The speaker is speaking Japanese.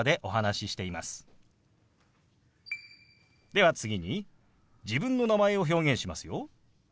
では次に自分の名前を表現しますよ。